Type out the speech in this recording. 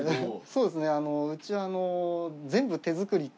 そうですねうちは。